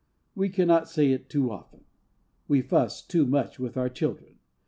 We cannot say it too often: We fuss too much with our children.